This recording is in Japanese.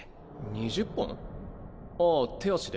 ２０本？ああ手足で？